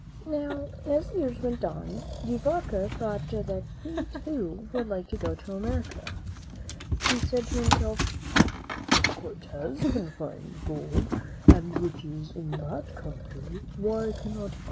Now, as the years went on, De Vaca thought that he, too, would like to go to America. He said to himself, "If Cortez can find gold and riches in that country, why cannot I?"